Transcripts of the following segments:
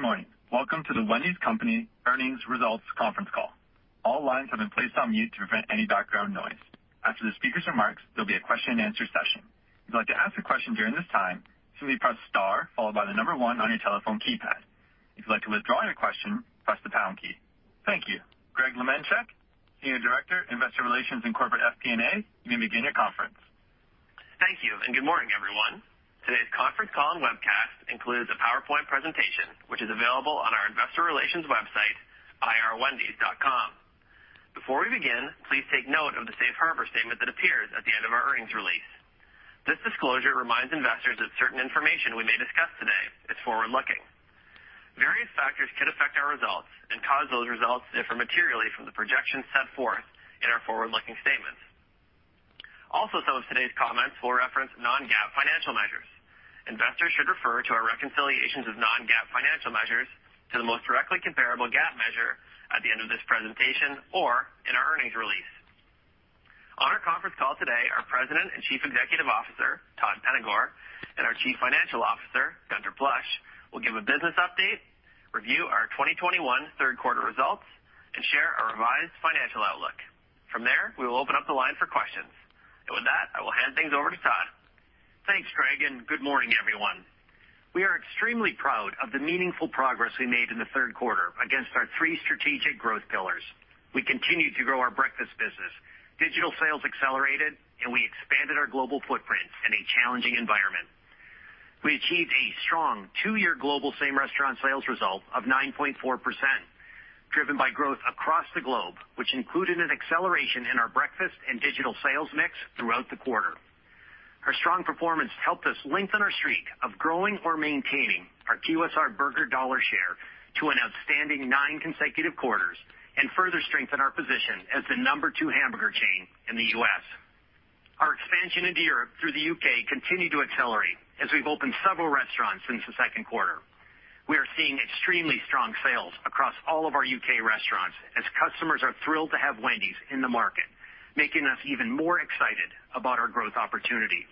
Good morning. Welcome to The Wendy's Company Earnings Results Conference Call. All lines have been placed on mute to prevent any background noise. After the speaker's remarks, there'll be a question-and-answer session. If you'd like to ask a question during this time, simply press star followed by the number one on your telephone keypad. If you'd like to withdraw your question, press the pound key. Thank you. Greg Lemenchick, Senior Director, Investor Relations and Corporate FP&A, you may begin your conference. Thank you, and good morning, everyone. Today's conference call and webcast includes a PowerPoint presentation, which is available on our Investor Relations website, irwendys.com. Before we begin, please take note of the safe harbor statement that appears at the end of our earnings release. This disclosure reminds investors that certain information we may discuss today is forward-looking. Various factors could affect our results and cause those results to differ materially from the projections set forth in our forward-looking statements. Also, some of today's comments will reference non-GAAP financial measures. Investors should refer to our reconciliations of non-GAAP financial measures to the most directly comparable GAAP measure at the end of this presentation or in our earnings release. On our conference call today, our President and Chief Executive Officer, Todd Penegor, and our Chief Financial Officer, Gunther Plosch, will give a business update, review our 2021 Q3 results, and share our revised financial outlook. From there, we will open up the line for questions. With that, I will hand things over to Todd. Thanks, Greg, and good morning, everyone. We are extremely proud of the meaningful progress we made in the Q3 against our 3 strategic growth pillars. We continued to grow our breakfast business, digital sales accelerated, and we expanded our global footprint in a challenging environment. We achieved a strong 2-year global same-restaurant sales result of 9.4%, driven by growth across the globe, which included an acceleration in our breakfast and digital sales mix throughout the quarter. Our strong performance helped us lengthen our streak of growing or maintaining our QSR burger dollar share to an outstanding 9 consecutive quarters and further strengthen our position as the number 2 hamburger chain in the U.S. Our expansion into Europe through the U.K. continued to accelerate as we've opened several restaurants since the Q2. We are seeing extremely strong sales across all of our U.K. restaurants as customers are thrilled to have Wendy's in the market, making us even more excited about our growth opportunity.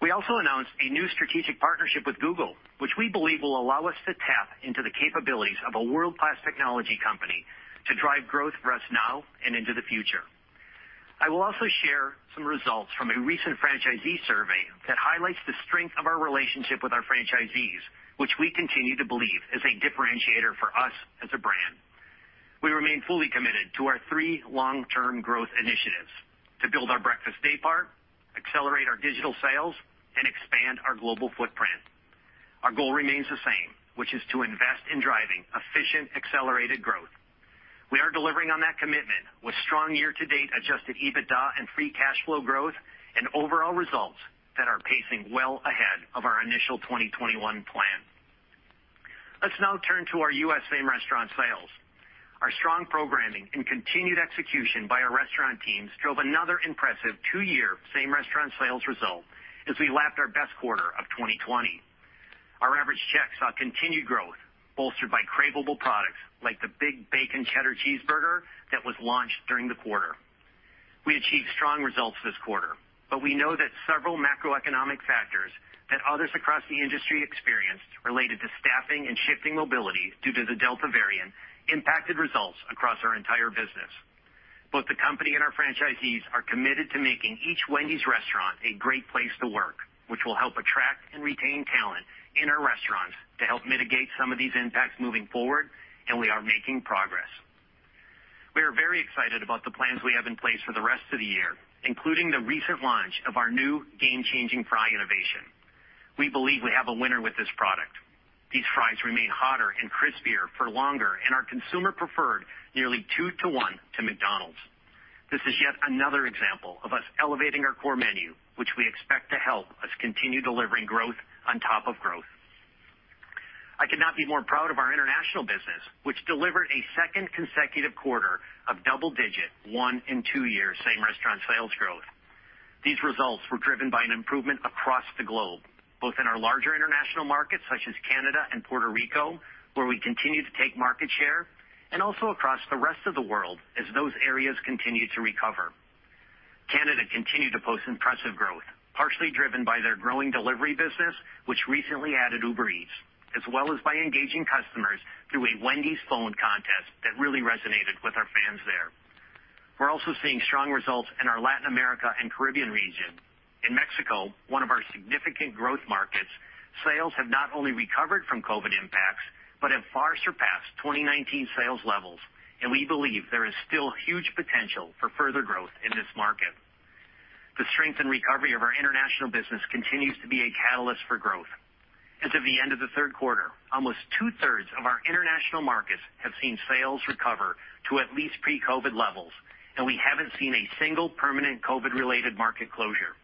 We also announced a new strategic partnership with Google, which we believe will allow us to tap into the capabilities of a world-class technology company to drive growth for us now and into the future. I will also share some results from a recent franchisee survey that highlights the strength of our relationship with our franchisees, which we continue to believe is a differentiator for us as a brand. We remain fully committed to our 3 long-term growth initiatives to build our breakfast day part, accelerate our digital sales, and expand our global footprint. Our goal remains the same, which is to invest in driving efficient, accelerated growth. We are delivering on that commitment with strong year-to-date adjusted EBITDA and free cash flow growth and overall results that are pacing well ahead of our initial 2021 plan. Let's now turn to our U.S. same-restaurant sales. Our strong programming and continued execution by our restaurant teams drove another impressive 2-year same-restaurant sales result as we lapped our best quarter of 2020. Our average check saw continued growth bolstered by craveable products like the Big Bacon Cheddar Cheeseburger that was launched during the quarter. We achieved strong results this quarter, but we know that several macroeconomic factors that others across the industry experienced related to staffing and shifting mobility due to the Delta variant impacted results across our entire business. Both the company and our franchisees are committed to making each Wendy's restaurant a great place to work, which will help attract and retain talent in our restaurants to help mitigate some of these impacts moving forward, and we are making progress. We are very excited about the plans we have in place for the rest of the year, including the recent launch of our new game-changing fry innovation. We believe we have a winner with this product. These fries remain hotter and crispier for longer and are consumer preferred nearly 2-to-1 to McDonald's. This is yet another example of us elevating our core menu, which we expect to help us continue delivering growth on top of growth. I could not be more proud of our international business, which delivered a second consecutive quarter of double-digit 1- and 2-year same-restaurant sales growth. These results were driven by an improvement across the globe, both in our larger international markets such as Canada and Puerto Rico, where we continue to take market share, and also across the rest of the world as those areas continue to recover. Canada continued to post impressive growth, partially driven by their growing delivery business, which recently added Uber Eats, as well as by engaging customers through a Wendy's Phone contest that really resonated with our fans there. We're also seeing strong results in our Latin America and Caribbean region. In Mexico, one of our significant growth markets, sales have not only recovered from COVID impacts but have far surpassed 2019 sales levels, and we believe there is still huge potential for further growth in this market. The strength and recovery of our international business continues to be a catalyst for growth. As of the end of the Q3, almost 2/3 of our international markets have seen sales recover to at least pre-COVID levels, and we haven't seen a single permanent COVID-related market closure.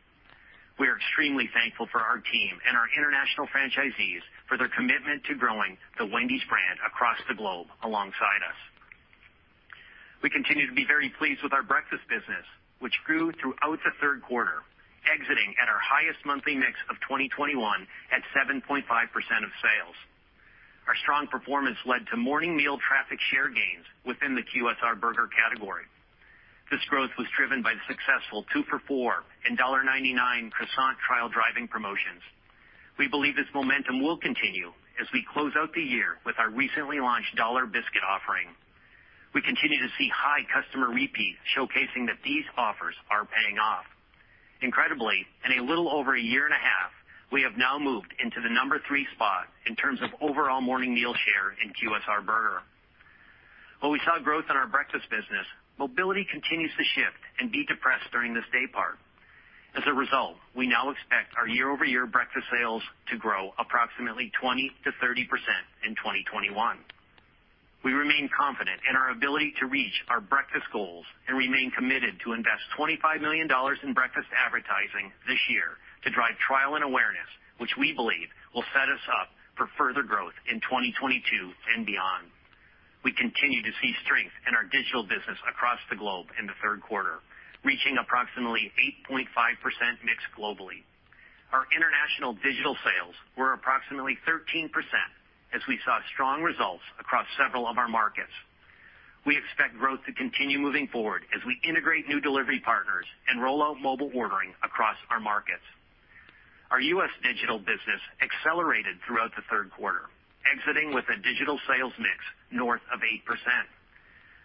We are extremely thankful for our team and our international franchisees for their commitment to growing the Wendy's brand across the globe alongside us. We continue to be very pleased with our breakfast business, which grew throughout the Q3, exiting at our highest monthly mix of 2021 at 7.5% of sales. Our strong performance led to morning meal traffic share gains within the QSR burger category. This growth was driven by the successful 2 for $4 and $1.99 croissant trial driving promotions. We believe this momentum will continue as we close out the year with our recently launched $1 biscuit offering. We continue to see high customer repeats showcasing that these offers are paying off. Incredibly, in a little over a year and a half, we have now moved into the number 3 spot in terms of overall morning meal share in QSR burger. While we saw growth in our breakfast business, mobility continues to shift and be depressed during this day part. As a result, we now expect our year-over-year breakfast sales to grow approximately 20% to 30% in 2021. We remain confident in our ability to reach our breakfast goals and remain committed to invest $25 million in breakfast advertising this year to drive trial and awareness, which we believe will set us up for further growth in 2022 and beyond. We continue to see strength in our digital business across the globe in the Q3, reaching approximately 8.5% mix globally. Our international digital sales were approximately 13% as we saw strong results across several of our markets. We expect growth to continue moving forward as we integrate new delivery partners and roll out mobile ordering across our markets. Our U.S. digital business accelerated throughout the Q3, exiting with a digital sales mix north of 8%.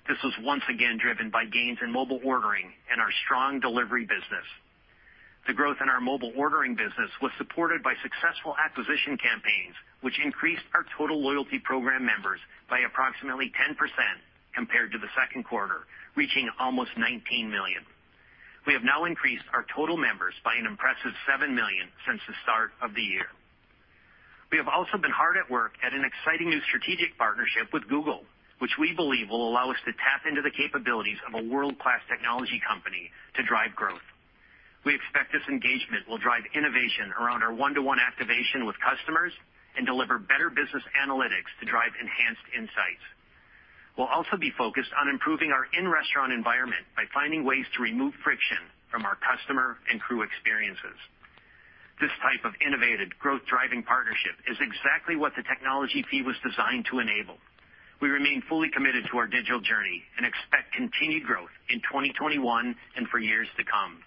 This was once again driven by gains in mobile ordering and our strong delivery business. The growth in our mobile ordering business was supported by successful acquisition campaigns, which increased our total loyalty program members by approximately 10% compared to the Q2, reaching almost 19 million. We have now increased our total members by an impressive 7 million since the start of the year. We have also been hard at work at an exciting new strategic partnership with Google, which we believe will allow us to tap into the capabilities of a world-class technology company to drive growth. We expect this engagement will drive innovation around our one-to-one activation with customers and deliver better business analytics to drive enhanced insights. We'll also be focused on improving our in-restaurant environment by finding ways to remove friction from our customer and crew experiences. This type of innovative growth-driving partnership is exactly what the technology fee was designed to enable. We remain fully committed to our digital journey and expect continued growth in 2021 and for years to come.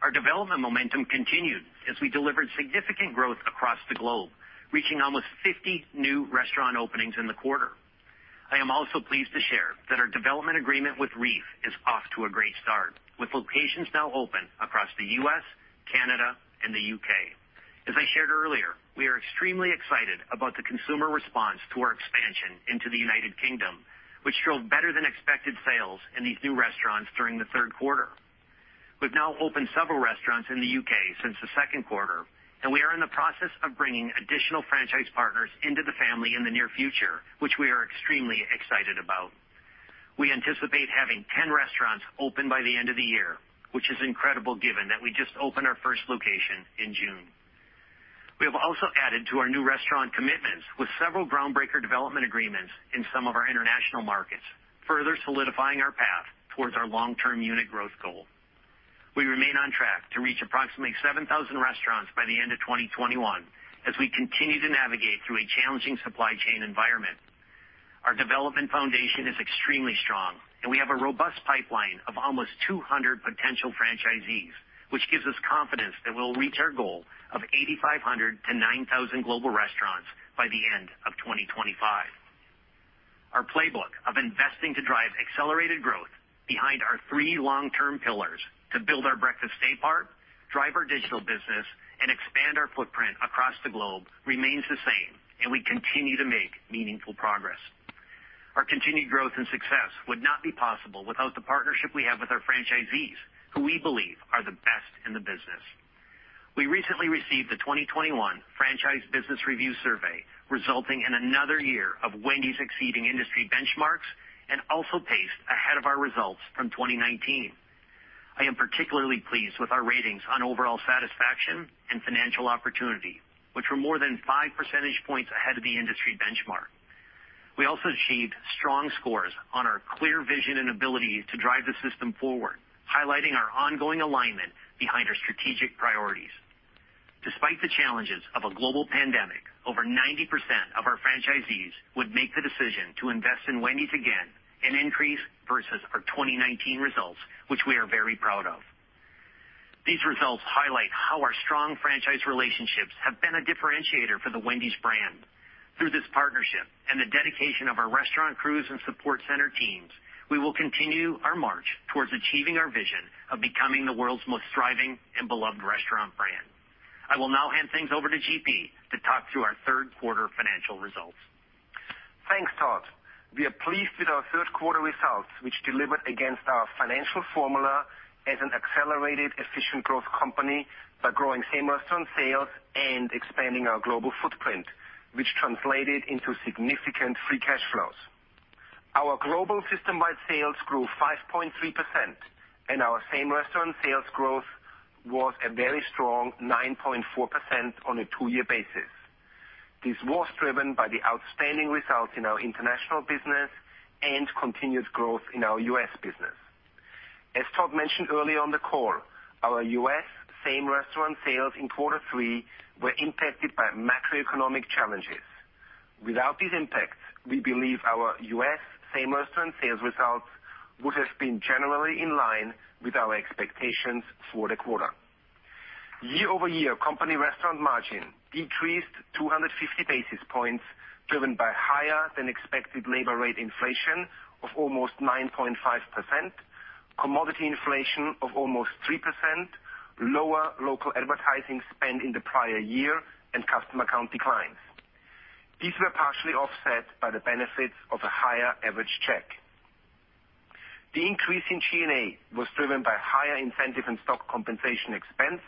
Our development momentum continued as we delivered significant growth across the globe, reaching almost 50 new restaurant openings in the quarter. I am also pleased to share that our development agreement with REEF is off to a great start, with locations now open across the U.S., Canada, and the U.K. As I shared earlier, we are extremely excited about the consumer response to our expansion into the United Kingdom, which showed better than expected sales in these new restaurants during the Q3. We've now opened several restaurants in the U.K. since the Q2, and we are in the process of bringing additional franchise partners into the family in the near future, which we are extremely excited about. We anticipate having 10 restaurants open by the end of the year, which is incredible given that we just opened our first location in June. We have also added to our new restaurant commitments with several Groundbreaker development agreements in some of our international markets, further solidifying our path towards our long-term unit growth goal. We remain on track to reach approximately 7,000 restaurants by the end of 2021 as we continue to navigate through a challenging supply chain environment. Our development foundation is extremely strong and we have a robust pipeline of almost 200 potential franchisees, which gives us confidence that we'll reach our goal of 8,500 to 9,000 global restaurants by the end of 2025. Our playbook of investing to drive accelerated growth behind our 3 long-term pillars to build our breakfast day part, drive our digital business, and expand our footprint across the globe remains the same and we continue to make meaningful progress. Our continued growth and success would not be possible without the partnership we have with our franchisees, who we believe are the best in the business. We recently received the 2021 Franchise Business Review Survey, resulting in another year of Wendy's exceeding industry benchmarks and also paced ahead of our results from 2019. I am particularly pleased with our ratings on overall satisfaction and financial opportunity, which were more than 5% points ahead of the industry benchmark. We also achieved strong scores on our clear vision and ability to drive the system forward, highlighting our ongoing alignment behind our strategic priorities. Despite the challenges of a global pandemic, over 90% of our franchisees would make the decision to invest in Wendy's again, an increase versus our 2019 results, which we are very proud of. These results highlight how our strong franchise relationships have been a differentiator for the Wendy's brand. Through this partnership and the dedication of our restaurant crews and support center teams, we will continue our march towards achieving our vision of becoming the world's most thriving and beloved restaurant brand. I will now hand things over to GP to talk through our Q3 financial results. Thanks, Todd. We are pleased with our Q3 results, which delivered against our financial formula as an accelerated efficient growth company by growing same-restaurant sales and expanding our global footprint, which translated into significant free cash flows. Our global system-wide sales grew 5.3% and our same-restaurant sales growth was a very strong 9.4% on a 2-year basis. This was driven by the outstanding results in our international business and continued growth in our U.S. business. As Todd mentioned earlier on the call, our U.S. same-restaurant sales in Q3 were impacted by macroeconomic challenges. Without these impacts, we believe our U.S. same-restaurant sales results would have been generally in line with our expectations for the quarter. Year-over-year company restaurant margin decreased 250 basis points, driven by higher than expected labor rate inflation of almost 9.5%, commodity inflation of almost 3%, lower local advertising spend in the prior year, and customer count declines. These were partially offset by the benefits of a higher average check. The increase in G&A was driven by higher incentive and stock compensation expense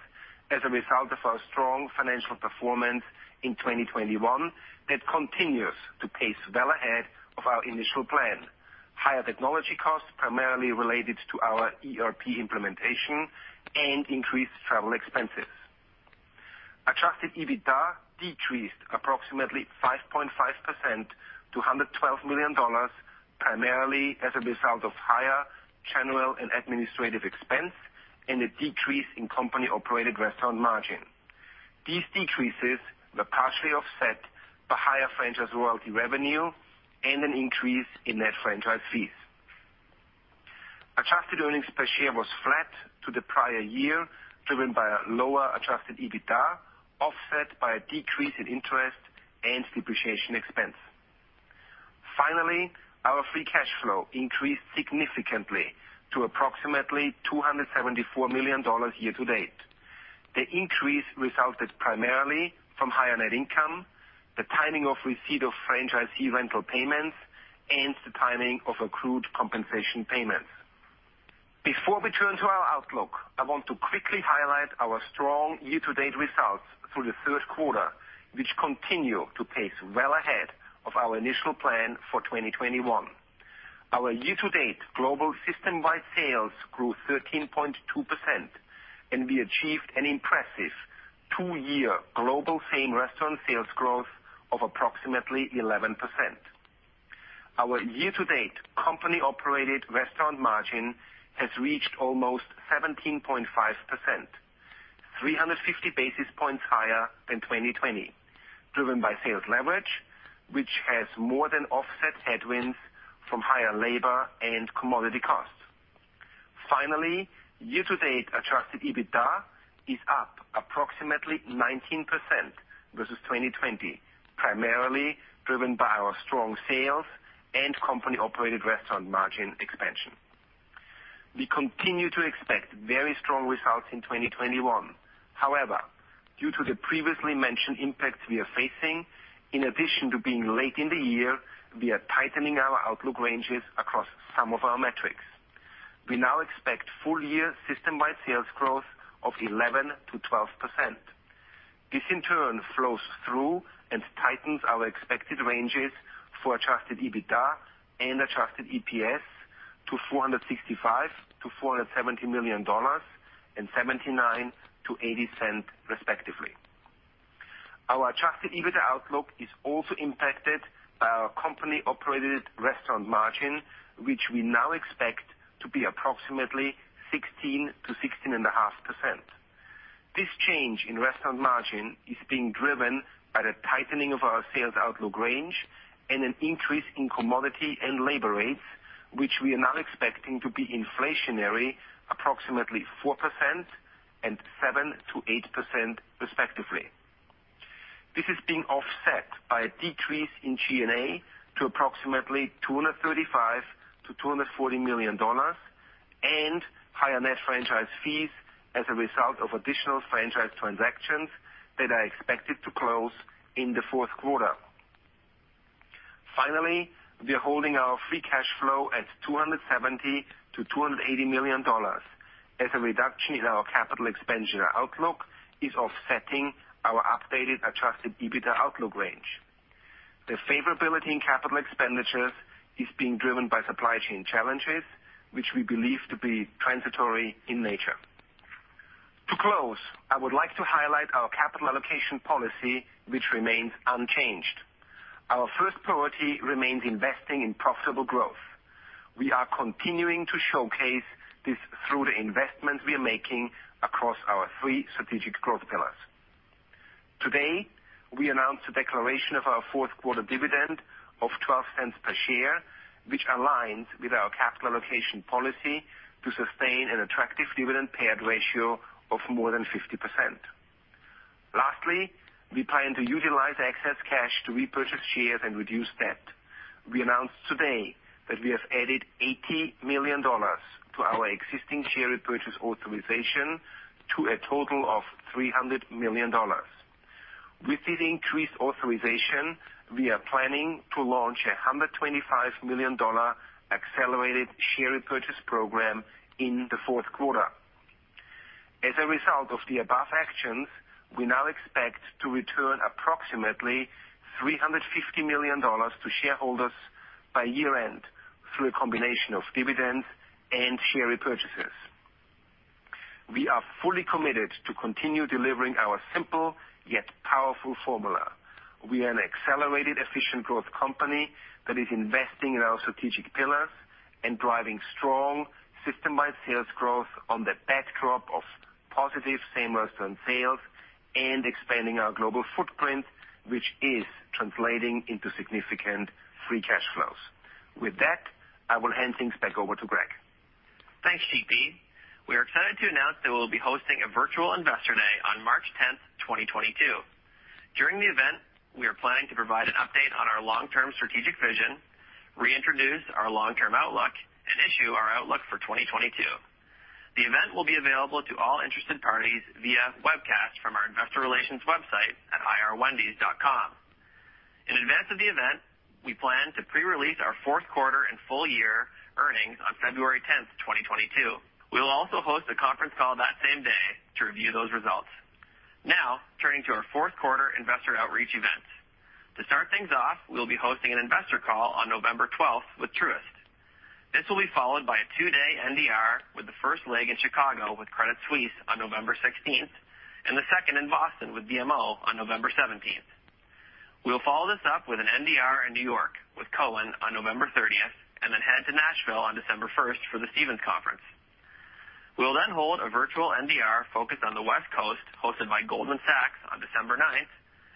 as a result of our strong financial performance in 2021 that continues to pace well ahead of our initial plan, higher technology costs primarily related to our ERP implementation and increased travel expenses. Adjusted EBITDA decreased approximately 5.5% to $112 million, primarily as a result of higher general and administrative expense and a decrease in company-operated restaurant margin. These decreases were partially offset by higher franchise royalty revenue and an increase in net franchise fees. Adjusted earnings per share was flat to the prior year, driven by a lower adjusted EBITDA, offset by a decrease in interest and depreciation expense. Finally, our free cash flow increased significantly to approximately $274 million year-to-date. The increase resulted primarily from higher net income, the timing of receipt of franchisee rental payments, and the timing of accrued compensation payments. Before we turn to our outlook, I want to quickly highlight our strong year-to-date results through the Q3, which continue to pace well ahead of our initial plan for 2021. Our year-to-date global systemwide sales grew 13.2%, and we achieved an impressive 2-year global same-restaurant sales growth of approximately 11%. Our year-to-date company-operated restaurant margin has reached almost 17.5%, 350 basis points higher than 2020, driven by sales leverage, which has more than offset headwinds from higher labor and commodity costs. Finally, year-to-date adjusted EBITDA is up approximately 19% versus 2020, primarily driven by our strong sales and company-operated restaurant margin expansion. We continue to expect very strong results in 2021. However, due to the previously mentioned impacts we are facing, in addition to being late in the year, we are tightening our outlook ranges across some of our metrics. We now expect full year systemwide sales growth of 11% to 12%. This in turn flows through and tightens our expected ranges for adjusted EBITDA and adjusted EPS to $465 million to $470 million and $0.79 to $0.80, respectively. Our adjusted EBITDA outlook is also impacted by our company-operated restaurant margin, which we now expect to be approximately 16% to 16.5%. This change in restaurant margin is being driven by the tightening of our sales outlook range and an increase in commodity and labor rates, which we are now expecting to be inflationary approximately 4% and 7% to 8% respectively. This is being offset by a decrease in G&A to approximately $235 million to $240 million and higher net franchise fees as a result of additional franchise transactions that are expected to close in the Q4. Finally, we are holding our free cash flow at $270 million to $280 million as a reduction in our capital expenditure outlook is offsetting our updated adjusted EBITDA outlook range. The favorability in capital expenditures is being driven by supply chain challenges, which we believe to be transitory in nature. To close, I would like to highlight our capital allocation policy, which remains unchanged. Our first priority remains investing in profitable growth. We are continuing to showcase this through the investments we are making across our 3 strategic growth pillars. Today, we announced a declaration of our Q4 dividend of $0.12 per share, which aligns with our capital allocation policy to sustain an attractive dividend payout ratio of more than 50%. Lastly, we plan to utilize excess cash to repurchase shares and reduce debt. We announced today that we have added $80 million to our existing share repurchase authorization to a total of $300 million. With this increased authorization, we are planning to launch a $125 million accelerated share repurchase program in the Q4. As a result of the above actions, we now expect to return approximately $350 million to shareholders by year-end through a combination of dividends and share repurchases. We are fully committed to continue delivering our simple yet powerful formula. We are an accelerated efficient growth company that is investing in our strategic pillars and driving strong system-wide sales growth on the backdrop of positive same restaurant sales and expanding our global footprint, which is translating into significant free cash flows. With that, I will hand things back over to Greg. Thanks, GP. We are excited to announce that we'll be hosting a virtual Investor Day on March 10th, 2022. During the event, we are planning to provide an update on our long-term strategic vision, reintroduce our long-term outlook and issue our outlook for 2022. The event will be available to all interested parties via webcast from our Investor Relations website at irwendys.com. In advance of the event, we plan to pre-release our Q4 and full year earnings on February 10th, 2022. We will also host a conference call that same day to review those results. Now turning to our Q4 investor outreach events. To start things off, we will be hosting an investor call on November 12th with Truist. This will be followed by a 2-day NDR with the first leg in Chicago with Credit Suisse on November 16th and the second in Boston with BMO on November 17th. We will follow this up with an NDR in New York with Cowen on November 30th and then head to Nashville on December 1st for the Stephens Conference. We will then hold a virtual NDR focused on the West Coast, hosted by Goldman Sachs on December 9th,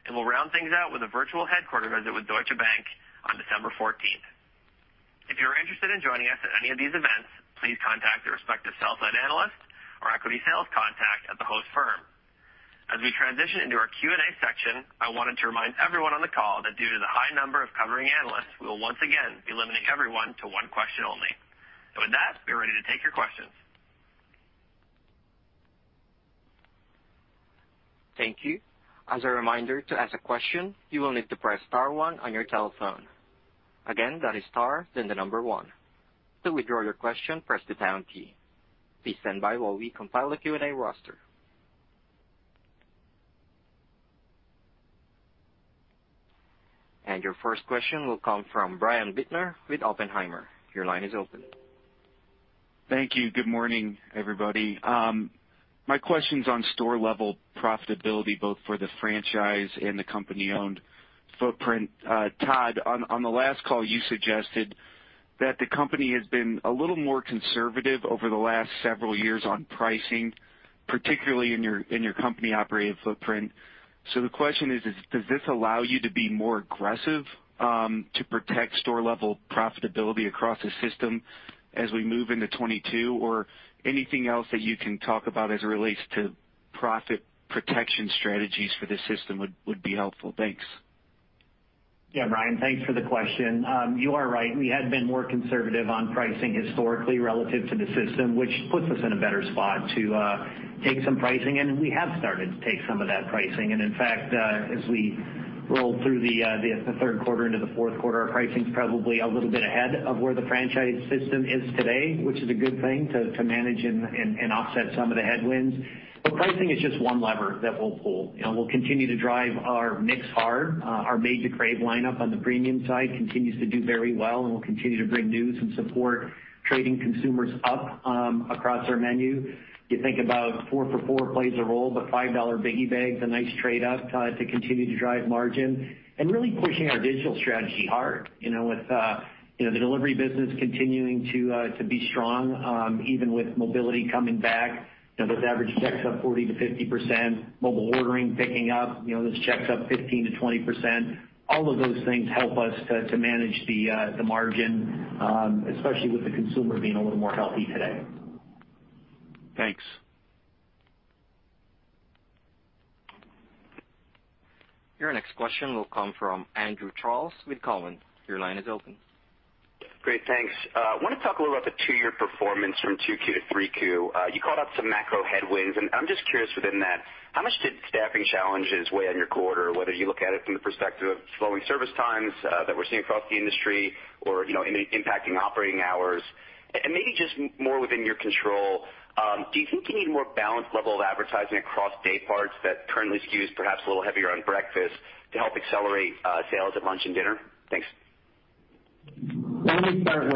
and we'll round things out with a virtual headquarters visit with Deutsche Bank on December 14th. If you're interested in joining us at any of these events, please contact the respective sell-side analyst or equity sales contact at the host firm. As we transition into our Q&A section, I wanted to remind everyone on the call that due to the high number of covering analysts, we will once again be limiting everyone to 1 question only. With that, we are ready to take your questions. Thank you. As a reminder, to ask a question, you will need to press star one on your telephone. Again, that is star, then the number one. To withdraw your question, press the pound key. Please stand by while we compile a Q&A roster. Your first question will come from Brian Bittner with Oppenheimer. Your line is open. Thank you. Good morning, everybody. My question's on store level profitability, both for the franchise and the company-owned footprint. Todd, on the last call, you suggested that the company has been a little more conservative over the last several years on pricing, particularly in your company operated footprint. The question is, does this allow you to be more aggressive to protect store level profitability across the system as we move into 2022 or anything else that you can talk about as it relates to profit protection strategies for this system would be helpful. Thanks. Yeah, Brian, thanks for the question. You are right. We had been more conservative on pricing historically relative to the system, which puts us in a better spot to take some pricing. We have started to take some of that pricing. In fact, as we roll through the Q3 into the Q4, our pricing is probably a little bit ahead of where the franchise system is today, which is a good thing to manage and offset some of the headwinds. Pricing is just 1 lever that we'll pull. We'll continue to drive our mix hard. Our Made to Crave lineup on the premium side continues to do very well, and we'll continue to bring news and support trading consumers up across our menu. You think about 4 for $4 plays a role, but $5 Biggie Bag is a nice trade up, Todd, to continue to drive margin and really pushing our digital strategy hard. You know, with, you know, the delivery business continuing to be strong, even with mobility coming back. You know, those average checks up 40% to 50%, mobile ordering picking up, you know, those checks up 15% to 20%. All of those things help us to manage the margin, especially with the consumer being a little more healthy today. Thanks. Your next question will come from Andrew Charles with Cowen. Your line is open. Great. Thanks. I want to talk a little about the 2-year performance from 2Q to 3Q. You called out some macro headwinds, and I'm just curious within that, how much did staffing challenges weigh on your quarter, whether you look at it from the perspective of slowing service times that we're seeing across the industry or impacting operating hours? Maybe just more within your control, do you think you need more balanced level of advertising across day parts that currently skews perhaps a little heavier on breakfast to help accelerate sales at lunch and dinner? Thanks. Let me start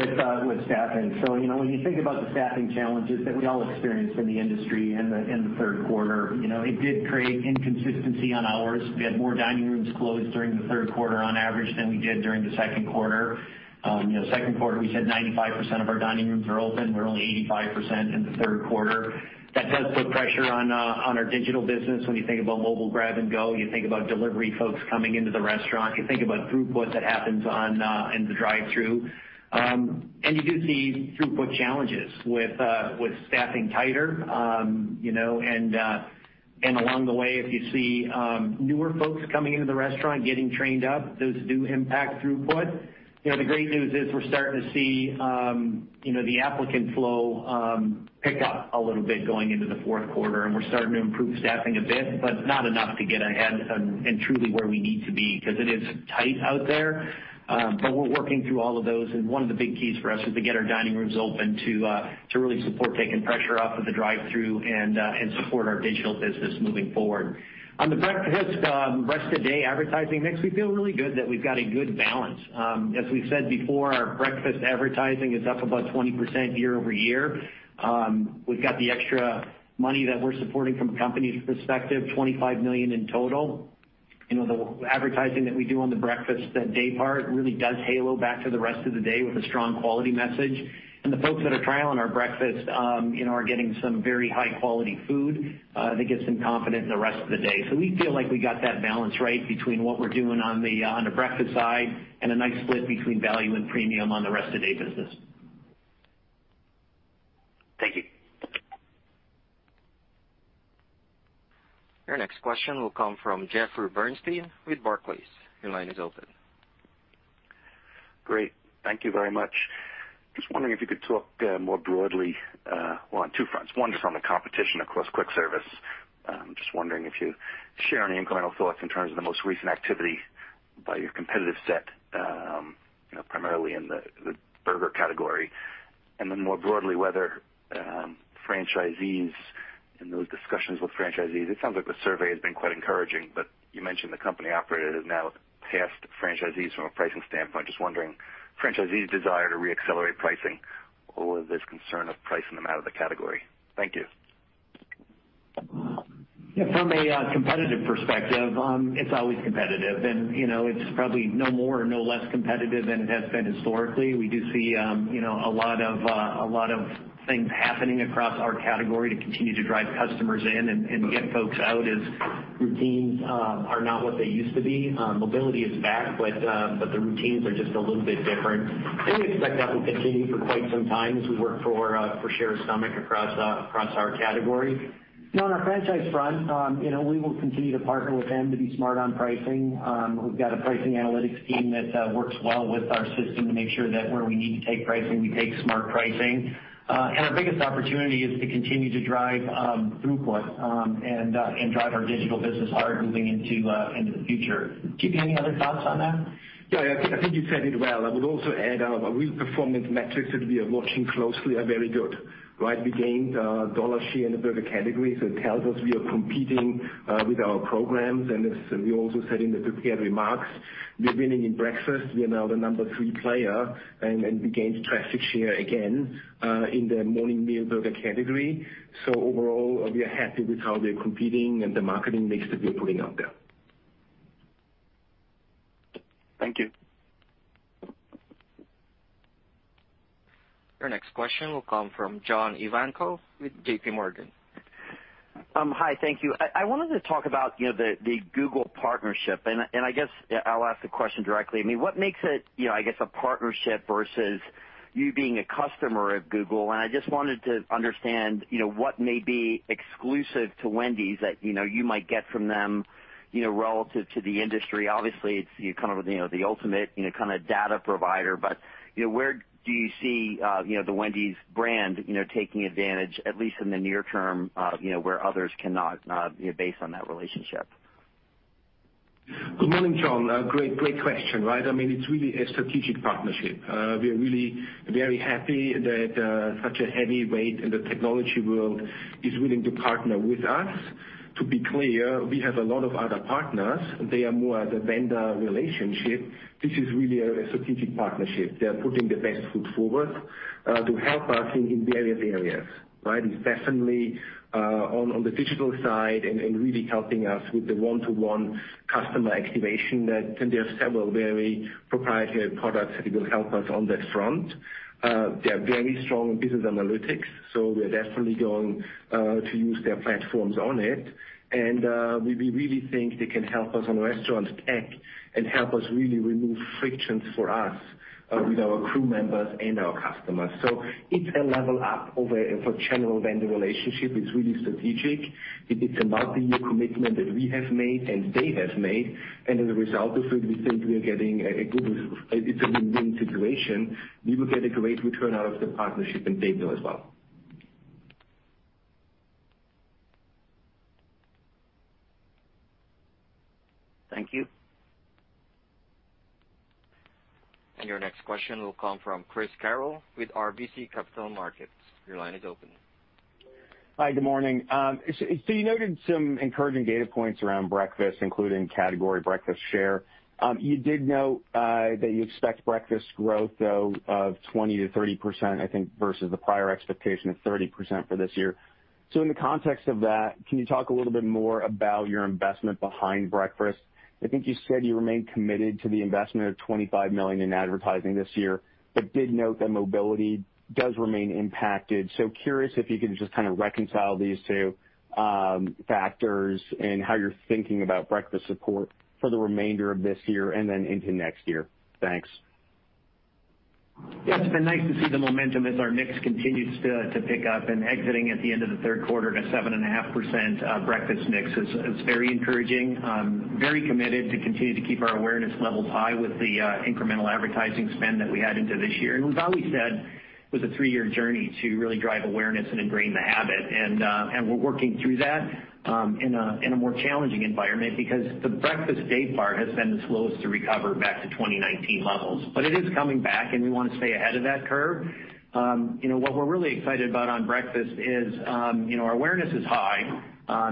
with staffing. You know, when you think about the staffing challenges that we all experienced in the industry in the Q3, you know, it did create inconsistency on hours. We had more dining rooms closed during the Q3 on average than we did during the Q2. You know, Q2, we said 95% of our dining rooms are open. We're only 85% in the Q3. That does put pressure on our digital business when you think about mobile grab and go, you think about delivery folks coming into the restaurant, you think about throughput that happens in the drive-thru. You do see throughput challenges with staffing tighter, you know, and along the way, if you see newer folks coming into the restaurant getting trained up, those do impact throughput. You know, the great news is we're starting to see the applicant flow pick up a little bit going into the Q4, and we're starting to improve staffing a bit, but not enough to get ahead and truly where we need to be because it is tight out there. We're working through all of those. One of the big keys for us is to get our dining rooms open to really support taking pressure off of the drive-thru and support our digital business moving forward. On the breakfast rest of day advertising mix, we feel really good that we've got a good balance. As we've said before, our breakfast advertising is up about 20% year-over-year. We've got the extra money that we're supporting from a company's perspective, $25 million in total. You know, the advertising that we do on the breakfast day part really does halo back to the rest of the day with a strong quality message. The folks that are trialing our breakfast are getting some very high quality food that gets them confident in the rest of the day. We feel like we got that balance right between what we're doing on the breakfast side and a nice split between value and premium on the rest of day business. Thank you. Your next question will come from Jeffrey Bernstein with Barclays. Your line is open. Great. Thank you very much. Just wondering if you could talk more broadly on 2 fronts. 1, just on the competition across quick service. I'm just wondering if you share any incremental thoughts in terms of the most recent activity by your competitive set, primarily in the burger category, and then more broadly, whether in those discussions with franchisees, it sounds like the survey has been quite encouraging, but you mentioned the company-operated has now passed franchisees from a pricing standpoint. Just wondering, franchisees desire to reaccelerate pricing or this concern of pricing them out of the category. Thank you. From a competitive perspective, it's always competitive, and you know, it's probably no more, no less competitive than it has been historically. We do see, you know, a lot of things happening across our category to continue to drive customers in and get folks out as routines are not what they used to be. Mobility is back, but the routines are just a little bit different. We expect that will continue for quite some time as we work for share of stomach across our category. On our franchise front, you know, we will continue to partner with them to be smart on pricing. We've got a pricing analytics team that works well with our system to make sure that where we need to take pricing, we take smart pricing. Our biggest opportunity is to continue to drive throughput and drive our digital business hard moving into the future. GP, any other thoughts on that? Yeah, I think you said it well. I would also add our real performance metrics that we are watching closely are very good, right? We gained dollar share in the burger category, so it tells us we are competing with our programs. As we also said in the prepared remarks, we're winning in breakfast. We are now the number 3 player, and we gained traffic share again in the morning meal burger category. Overall, we are happy with how we're competing and the marketing mix that we're putting out there. Thank you. Your next question will come from John Ivankoe with JPMorgan. Hi. Thank you. I wanted to talk about, you know, the Google partnership, and I guess I'll ask the question directly. I mean, what makes it, you know, I guess, a partnership versus you being a customer of Google? And I just wanted to understand, you know, what may be exclusive to Wendy's that, you know, you might get from them, you know, relative to the industry. Obviously, it's kind of the ultimate, you know, kind of data provider, but, you know, where do you see, you know, the Wendy's brand, you know, taking advantage, at least in the near term, you know, where others cannot, based on that relationship? Good morning, John. Great question, right. I mean, it's really a strategic partnership. We are really very happy that such a heavyweight in the technology world is willing to partner with us. To be clear, we have a lot of other partners. They are more the vendor relationship. This is really a strategic partnership. They are putting the best foot forward to help us in various areas, right? Definitely on the digital side and really helping us with the one-to-one customer activation that there are several very proprietary products that will help us on that front. They are very strong in business analytics, so we're definitely going to use their platforms on it. We really think they can help us on restaurant tech and help us really remove frictions for us with our crew members and our customers. It's a level up over a general vendor relationship. It's really strategic. It's a multi-year commitment that we have made and they have made. As a result of it, we think we are getting a win-win situation. We will get a great return out of the partnership, and they will as well. Thank you. Your next question will come from Chris Carril with RBC Capital Markets. Your line is open. Hi. Good morning. You noted some encouraging data points around breakfast, including category breakfast share. You did note that you expect breakfast growth, though, of 20% to 30%, I think, versus the prior expectation of 30% for this year. In the context of that, can you talk a little bit more about your investment behind breakfast? I think you said you remain committed to the investment of $25 million in advertising this year, but did note that mobility does remain impacted. Curious if you could just kind of reconcile these 2 factors and how you're thinking about breakfast support for the remainder of this year and then into next year. Thanks. Yeah, it's been nice to see the momentum as our mix continues to pick up and exiting at the end of the Q3 to 7.5%, breakfast mix is very encouraging. Very committed to continue to keep our awareness levels high with the incremental advertising spend that we had into this year. We've always said it was a 3-year journey to really drive awareness and ingrain the habit, and we're working through that in a more challenging environment because the breakfast daypart has been the slowest to recover back to 2019 levels. It is coming back and we want to stay ahead of that curve. You know, what we're really excited about on breakfast is, you know, our awareness is high.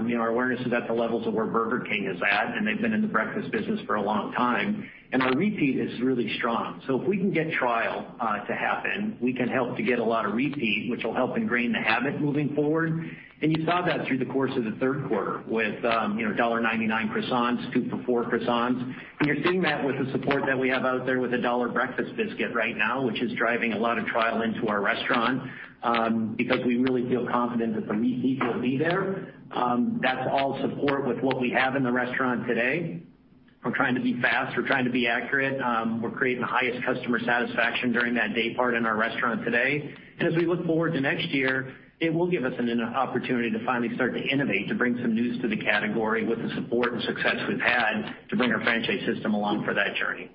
You know, our awareness is at the levels of where Burger King is at, and they've been in the breakfast business for a long time, and our repeat is really strong. If we can get trial to happen, we can help to get a lot of repeat, which will help ingrain the habit moving forward. You saw that through the course of the Q3 with $1.99 croissants, 2 for $4 croissants. You're seeing that with the support that we have out there with a $1 breakfast biscuit right now, which is driving a lot of trial into our restaurant, because we really feel confident that the repeat will be there. That's all supported with what we have in the restaurant today. We're trying to be fast, we're trying to be accurate, we're creating the highest customer satisfaction during that day part in our restaurant today. As we look forward to next year, it will give us an opportunity to finally start to innovate, to bring some news to the category with the support and success we've had to bring our franchise system along for that journey.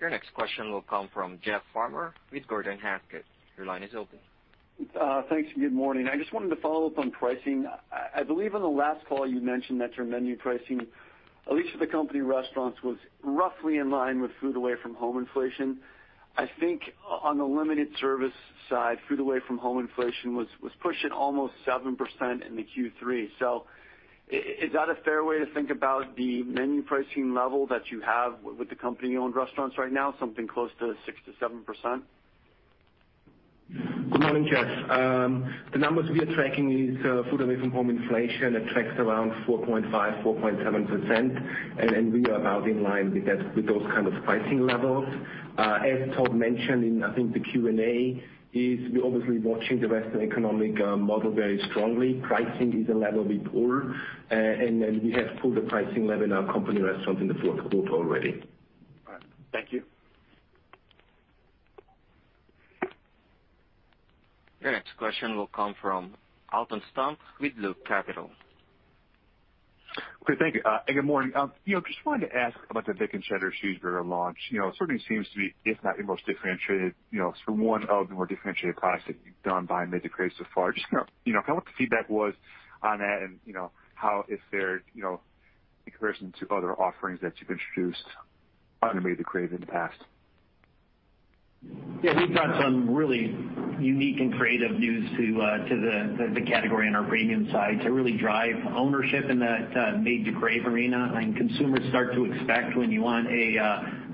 Your next question will come from Jeff Farmer with Gordon Haskett. Your line is open. Thanks, and good morning. I just wanted to follow up on pricing. I believe on the last call you mentioned that your menu pricing, at least at the company restaurants, was roughly in line with food away from home inflation. I think on the limited service side, food away from home inflation was pushing almost 7% in the Q3. Is that a fair way to think about the menu pricing level that you have with the company-owned restaurants right now, something close to 6% to 7%? Good morning, Jeff. The numbers we are tracking is food away from home inflation. It tracks around 4.5% to 4.7%, and we are about in line with that, with those kind of pricing levels. As Todd mentioned in, I think, the Q&A, is we're obviously watching the rest of the economic model very strongly. Pricing is a lever we pull, and then we have pulled the pricing lever in our company restaurant in the Q4 already. All right. Thank you. Your next question will come from Alton Stump with Loop Capital. Okay, thank you. Good morning. You know, just wanted to ask about the Big Bacon Cheddar Cheeseburger launch. You know, it certainly seems to be, if not your most differentiated, you know, it's one of the more differentiated products that you've done by Made to Crave so far. Just, you know, kind of what the feedback was on that and, you know, how it fared, you know, in comparison to other offerings that you've introduced under Made to Crave in the past. Yeah, we've brought some really unique and creative news to the category on our premium side to really drive ownership in that Made to Crave arena. Consumers start to expect when you want a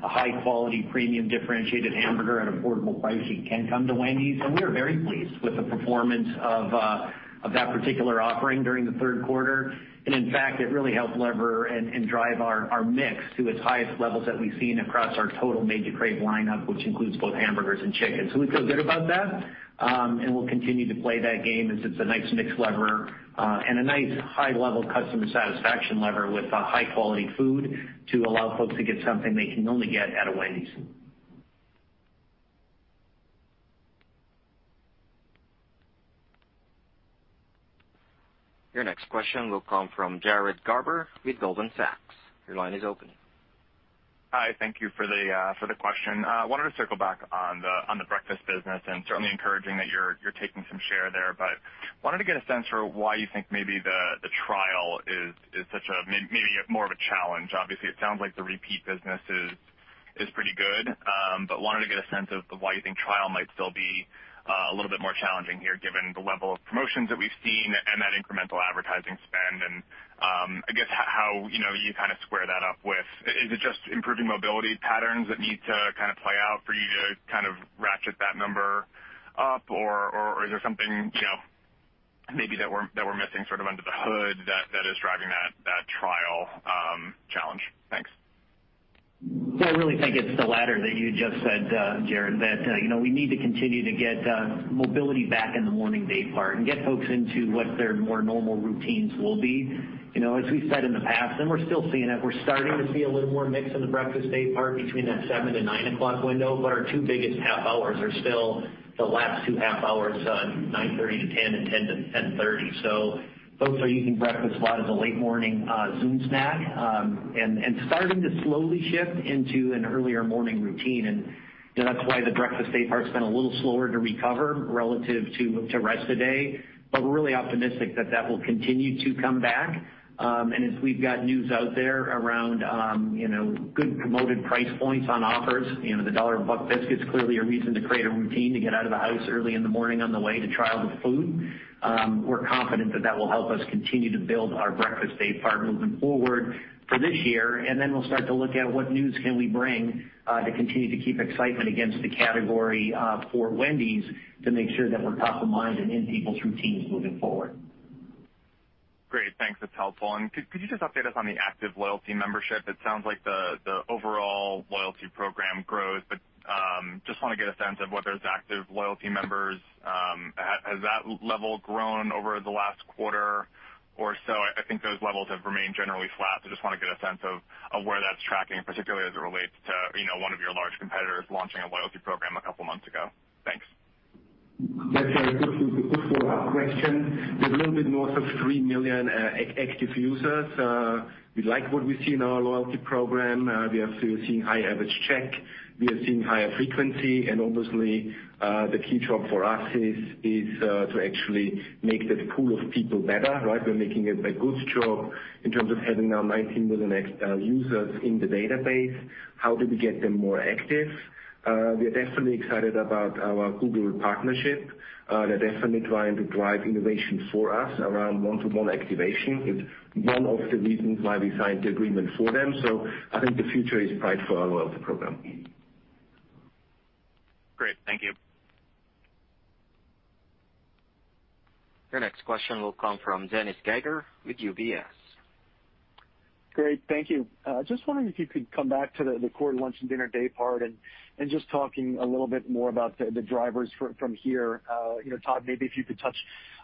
high quality, premium, differentiated hamburger at affordable pricing, you can come to Wendy's. We are very pleased with the performance of that particular offering during the Q3. In fact, it really helped leverage and drive our mix to its highest levels that we've seen across our total Made to Crave lineup, which includes both hamburgers and chicken. We feel good about that, and we'll continue to play that game as it's a nice mix lever, and a nice high level customer satisfaction lever with high quality food to allow folks to get something they can only get at a Wendy's. Your next question will come from Jared Garber with Goldman Sachs. Your line is open. Hi, thank you for the question. Wanted to circle back on the breakfast business, and certainly encouraging that you're taking some share there. Wanted to get a sense for why you think maybe the trial is such a maybe more of a challenge. Obviously, it sounds like the repeat business is pretty good. Wanted to get a sense of why you think trial might still be a little bit more challenging here, given the level of promotions that we've seen and that incremental advertising spend. I guess how, you know, you kind of square that up with. Is it just improving mobility patterns that need to kind of play out for you to kind of ratchet that number up? Is there something, you know, maybe that we're missing sort of under the hood that is driving that trial challenge? Thanks. Yeah, I really think it's the latter that you just said, Jared, that you know, we need to continue to get mobility back in the morning day part and get folks into what their more normal routines will be. You know, as we've said in the past, and we're still seeing it, we're starting to see a little more mix in the breakfast day part between that 7 and 9 o'clock window, but our 2 biggest half hours are still the last 2 half hours, 9:30 A.M. to 10:00 A.M. and 10:00 A.M. to 10:30 A.M. So folks are using breakfast a lot as a late morning Zoom snack, and starting to slowly shift into an earlier morning routine. You know, that's why the breakfast day part's been a little slower to recover relative to rest of the day. We're really optimistic that that will continue to come back. As we've got new out there around, you know, good promoted price points on offers, you know, the $1 Buck Biscuits, clearly a reason to create a routine to get out of the house early in the morning on the way to try all the food, we're confident that that will help us continue to build our breakfast day part moving forward for this year. We'll start to look at what new can we bring to continue to keep excitement against the category for Wendy's to make sure that we're top of mind and in people's routines moving forward. Great. Thanks. That's helpful. Could you just update us on the active loyalty membership? It sounds like the overall loyalty program grows, but just wanna get a sense of what those active loyalty members has that level grown over the last quarter or so? I think those levels have remained generally flat. Just wanna get a sense of where that's tracking, particularly as it relates to, you know, one of your large competitors launching a loyalty program a couple months ago. Thanks. That's a good follow-up question. We have a little bit north of 3 million active users. We like what we see in our loyalty program. We are still seeing high average check. We are seeing higher frequency. Obviously, the key job for us is to actually make that pool of people better, right? We're making a good job in terms of having now 19 million ex-users in the database. How do we get them more active? We are definitely excited about our Google partnership. They're definitely trying to drive innovation for us around one-to-one activation. It's one of the reasons why we signed the agreement for them. I think the future is bright for our loyalty program. Great. Thank you. Your next question will come from Dennis Geiger with UBS. Great, thank you. Just wondering if you could come back to the core lunch and dinner daypart and just talking a little bit more about the drivers from here. You know, Todd, maybe if you could touch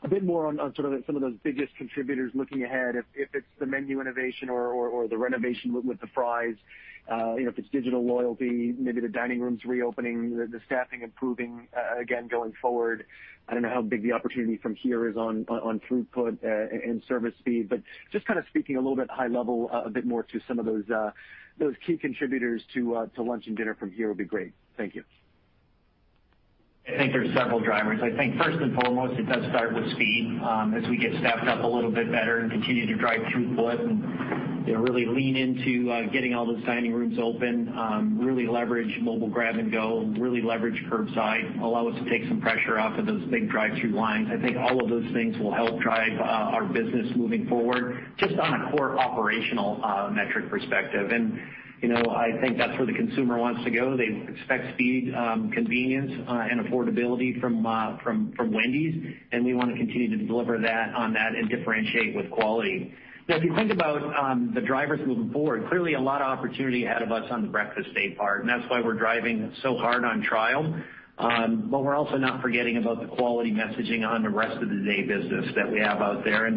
a bit more on sort of some of those biggest contributors looking ahead, if it's the menu innovation or the renovation with the fries, you know, if it's digital loyalty, maybe the dining rooms reopening, the staffing improving, again, going forward. I don't know how big the opportunity from here is on throughput and service speed, but just kind of speaking a little bit high level, a bit more to some of those key contributors to lunch and dinner from here would be great. Thank you. I think there's several drivers. I think first and foremost, it does start with speed, as we get staffed up a little bit better and continue to drive throughput, and, you know, really lean into, getting all those dining rooms open, really leverage mobile grab and go, really leverage curbside, allow us to take some pressure off of those big drive-thru lines. I think all of those things will help drive, our business moving forward, just on a core operational, metric perspective. You know, I think that's where the consumer wants to go. They expect speed, convenience, and affordability from Wendy's, and we wanna continue to deliver that on that and differentiate with quality. Now, if you think about the drivers moving forward, clearly a lot of opportunity ahead of us on the breakfast daypart, and that's why we're driving so hard on trial. But we're also not forgetting about the quality messaging on the rest of the day business that we have out there.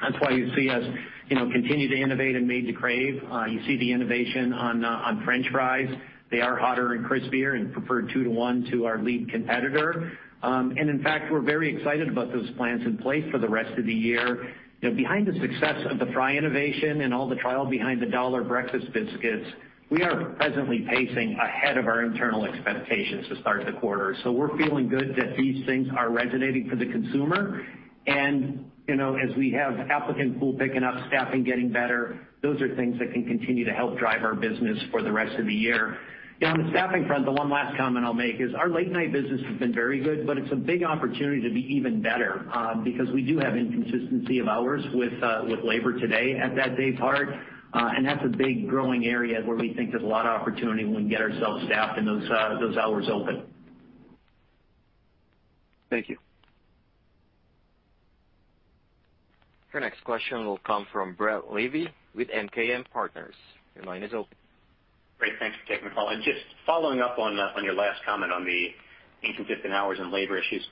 That's why you see us, you know, continue to innovate in Made to Crave. You see the innovation on French fries. They are hotter and crispier and preferred 2-to-1 to our lead competitor. In fact, we're very excited about those plans in place for the rest of the year. You know, behind the success of the fry innovation and all the trial behind the $1 breakfast biscuits, we are presently pacing ahead of our internal expectations to start the quarter. We're feeling good that these things are resonating for the consumer. You know, as we have applicant pool picking up, staffing getting better, those are things that can continue to help drive our business for the rest of the year. You know, on the staffing front, the 1 last comment I'll make is our late night business has been very good, but it's a big opportunity to be even better, because we do have inconsistency of hours with labor today at that day part. That's a big growing area where we think there's a lot of opportunity when we get ourselves staffed and those hours open. Thank you. Your next question will come from Brett Levy with MKM Partners. Your line is open. Great. Thanks for taking my call. Just following up on your last comment on the inconsistent hours and labor issues,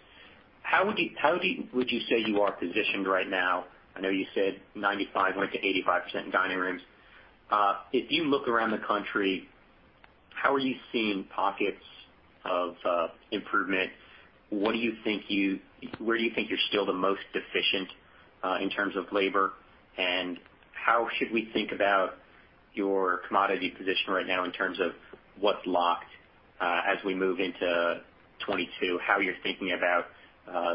how would you say you are positioned right now? I know you said 95% went to 85% in dining rooms. If you look around the country, how are you seeing pockets of improvement? Where do you think you're still the most deficient in terms of labor? How should we think about your commodity position right now in terms of what's locked as we move into 2022, how you're thinking about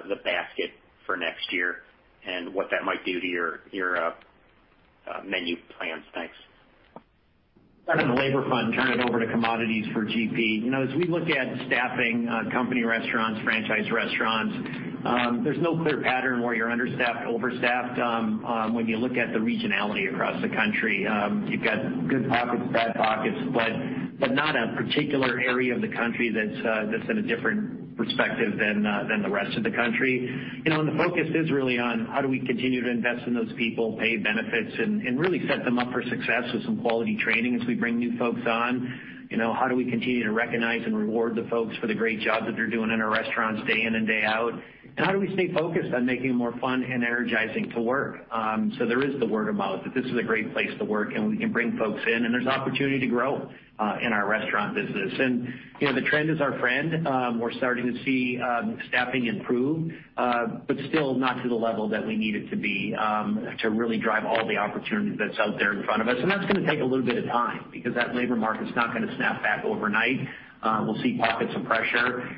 the basket for next year and what that might do to your menu plans? Thanks. Starting on the labor front and turn it over to commodities for GP. You know, as we look at staffing, company restaurants, franchise restaurants, there's no clear pattern where you're understaffed, overstaffed, when you look at the regionality across the country. You've got good pockets, bad pockets, but not a particular area of the country that's in a different perspective than the rest of the country. You know, and the focus is really on how do we continue to invest in those people, pay benefits and really set them up for success with some quality training as we bring new folks on. You know, how do we continue to recognize and reward the folks for the great job that they're doing in our restaurants day in and day out? How do we stay focused on making it more fun and energizing to work? There is the word of mouth that this is a great place to work, and we can bring folks in, and there's opportunity to grow in our restaurant business. You know, the trend is our friend. We're starting to see staffing improve, but still not to the level that we need it to be, to really drive all the opportunities that's out there in front of us. That's gonna take a little bit of time because that labor market's not gonna snap back overnight. We'll see pockets of pressure,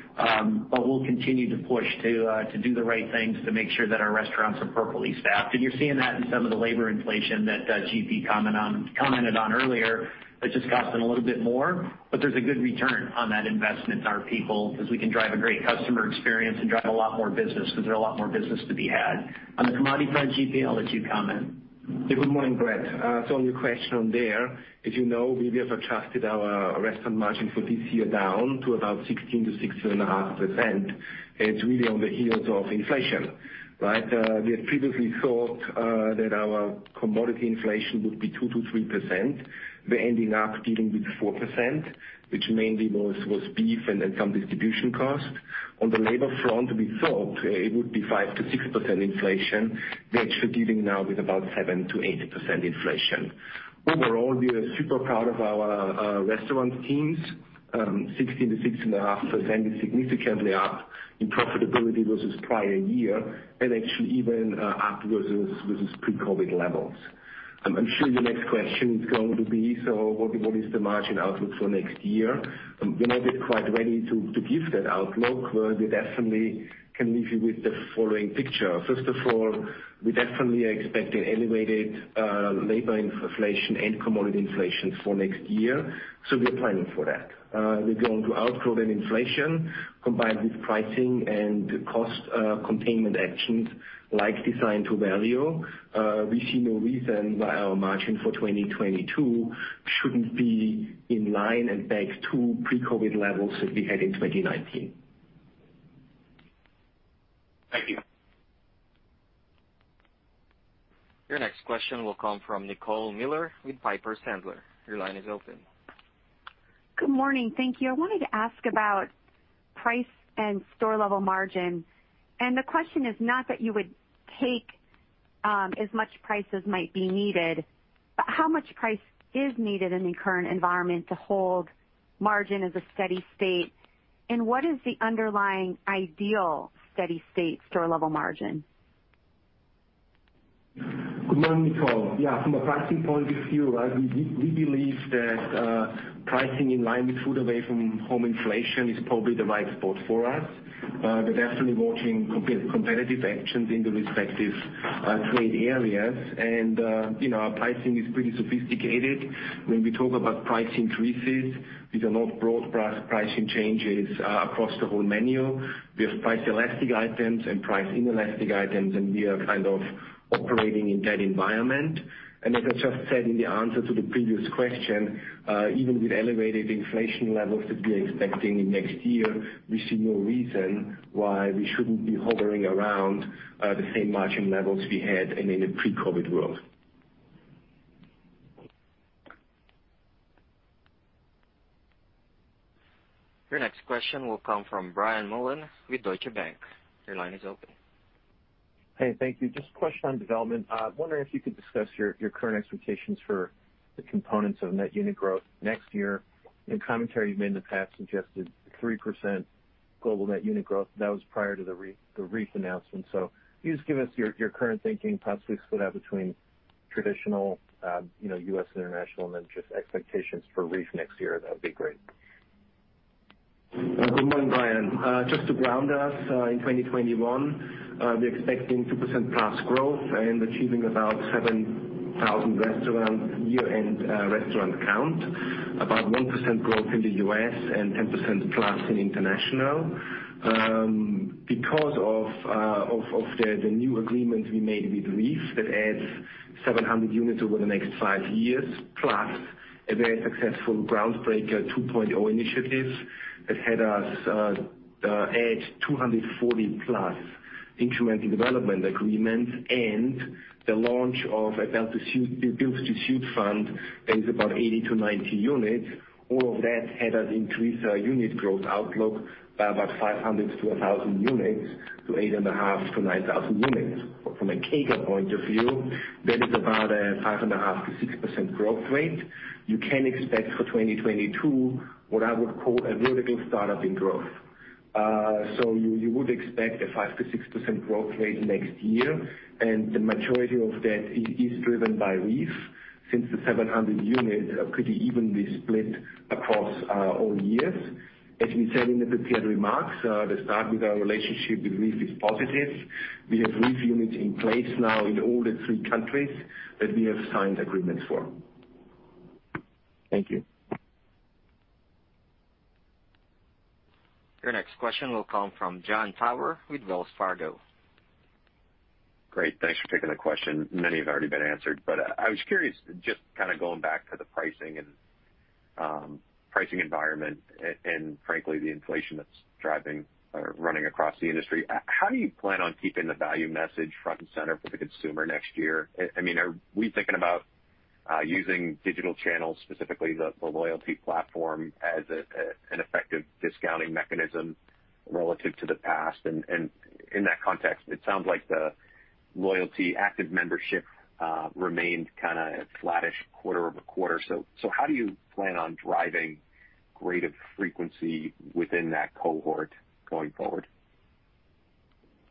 but we'll continue to push to do the right things to make sure that our restaurants are properly staffed. You're seeing that in some of the labor inflation that GP commented on earlier. It's just costing a little bit more, but there's a good return on that investment in our people, because we can drive a great customer experience and drive a lot more business because there are a lot more business to be had. On the commodity front, GP, I'll let you comment. Yeah, good morning, Brett. So on your question on there, as you know, we have adjusted our restaurant margin for this year down to about 16% to 16.5%. It's really on the heels of inflation, right? We had previously thought that our commodity inflation would be 2% to 3%. We're ending up dealing with 4%, which mainly was beef and then some distribution costs. On the labor front, we thought it would be 5% to 6% inflation. We're actually dealing now with about 7% to 8% inflation. Overall, we are super proud of our restaurant teams. 16% to 16.5% is significantly up in profitability versus prior year and actually even up versus pre-COVID levels. I'm sure your next question is going to be, so what is the margin outlook for next year? We're not yet quite ready to give that outlook. We definitely can leave you with the following picture. First of all, we definitely are expecting elevated labor inflation and commodity inflation for next year, so we're planning for that. We're going to outgrow that inflation combined with pricing and cost containment actions like Design to Value. We see no reason why our margin for 2022 shouldn't be in line and back to pre-COVID levels that we had in 2019. Question will come from Nicole Miller with Piper Sandler. Your line is open. Good morning. Thank you. I wanted to ask about price and store level margin. The question is not that you would take as much price as might be needed, but how much price is needed in the current environment to hold margin as a steady state? What is the underlying ideal steady state store level margin? Good morning, Nicole. Yeah, from a pricing point of view, right, we believe that pricing in line with food away from home inflation is probably the right spot for us. We're definitely watching competitive actions in the respective trade areas. You know, our pricing is pretty sophisticated. When we talk about price increases, these are not broad pricing changes across the whole menu. We have price elastic items and price inelastic items, and we are kind of operating in that environment. As I just said in the answer to the previous question, even with elevated inflation levels that we are expecting in next year, we see no reason why we shouldn't be hovering around the same margin levels we had in the pre-COVID world. Your next question will come from Brian Mullan with Deutsche Bank. Your line is open. Hey, thank you. Just a question on development. Wondering if you could discuss your current expectations for the components of net unit growth next year. In commentary you've made in the past suggested 3% global net unit growth. That was prior to the REEF announcement. Can you just give us your current thinking, possibly split out between traditional, you know, U.S. international and then just expectations for REEF next year, that would be great. Good morning, Brian. Just to ground us in 2021, we're expecting 2%+ growth and achieving about 7,000 restaurants year-end restaurant count. About 1% growth in the U.S. and 10%+ in international. Because of the new agreement we made with REEF that adds 700 units over the next 5 years, plus a very successful Groundbreaker 2.0 initiative that had us add 240+ incremental development agreements and the launch of a build to suit fund that is about 80 to 90 units. All of that had us increase our unit growth outlook by about 500 to 1,000 units to 8,500 to 9,000 units. From a CAGR point of view, that is about a 5.5% to 6% growth rate. You can expect for 2022, what I would call a vertical startup in growth. You would expect a 5% to 6% growth rate next year, and the majority of that is driven by REEF since the 700 units are pretty evenly split across all years. As we said in the prepared remarks, the start with our relationship with REEF is positive. We have REEF units in place now in all 3 countries that we have signed agreements for. Thank you. Your next question will come from Jon Tower with Wells Fargo. Great. Thanks for taking the question. Many have already been answered, but I was curious, just kind of going back to the pricing and pricing environment and frankly, the inflation that's driving or running across the industry. How do you plan on keeping the value message front and center for the consumer next year? I mean, are we thinking about using digital channels, specifically the loyalty platform as an effective discounting mechanism relative to the past? And in that context, it sounds like the loyalty active membership remained kind of flattish quarter-over-quarter. So how do you plan on driving greater frequency within that cohort going forward?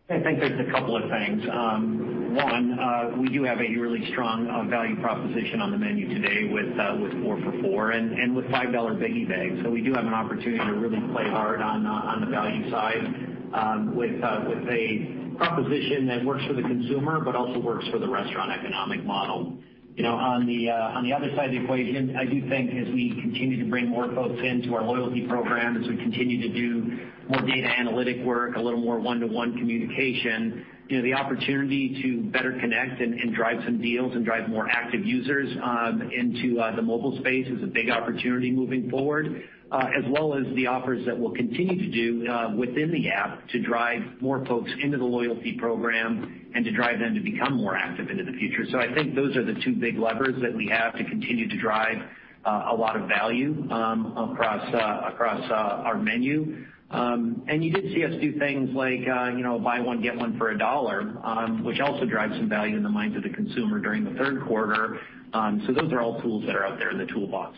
I think there's a couple of things. 1, we do have a really strong value proposition on the menu today with 4 for $4 and with $5 Biggie Bags. So we do have an opportunity to really play hard on the value side with a proposition that works for the consumer but also works for the restaurant economic model. You know, on the other side of the equation, I do think as we continue to bring more folks into our loyalty program, as we continue to do more data analytic work, a little more one-to-one communication, you know, the opportunity to better connect and drive some deals and drive more active users into the mobile space is a big opportunity moving forward. As well as the offers that we'll continue to do within the app to drive more folks into the loyalty program and to drive them to become more active into the future. I think those are the 2 big levers that we have to continue to drive a lot of value across our menu. You did see us do things like, you know, buy 1, get 1 for a dollar, which also drives some value in the minds of the consumer during the Q3. Those are all tools that are out there in the toolbox.